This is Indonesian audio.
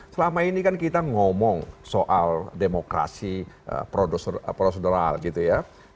selama ini kan kita ngomong soal demokrasi prosedural gitu ya